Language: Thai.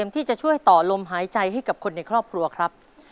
ที่จะช่วยต่อลมหายใจให้กับคนในครอบครัวครับ